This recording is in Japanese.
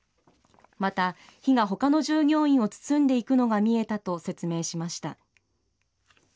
また、火が他の従業員を包んでいくのが見えたと説明しました。